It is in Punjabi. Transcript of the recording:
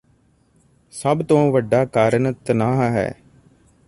ਸਭ ਤੋਂ ਵੱਡਾ ਕਾਰਨ ਤਣਾਅ ਹੈ